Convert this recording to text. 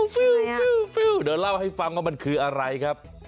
เดี๋ยวเล่าให้ฟังว่ามันคืออะไรครับ